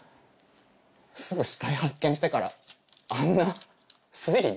すぐ死体発見してからあんな推理できる？